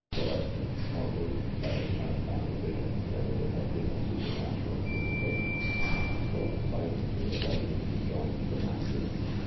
Valeska, more moved by this uncanny vision than if it had been a supernatural visitation, stole silently away and rejoined the Master.